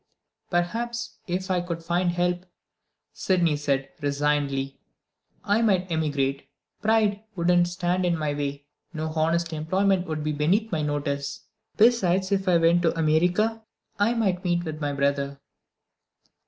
"Perhaps, if I could find help," Sydney said resignedly, "I might emigrate. Pride wouldn't stand in my way; no honest employment would be beneath my notice. Besides, if I went to America, I might meet with my brother."